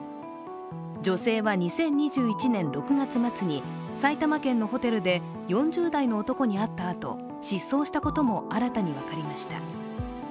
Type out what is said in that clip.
女性は２０２１年６月末に埼玉県のホテルで４０代の男に会ったあと、失踪したことも新たに分かりました。